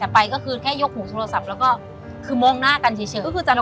ไปก็แค่ยกหูโทรศัพท์แล้วก็มองหน้ากันเฉย